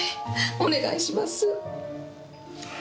お願いします。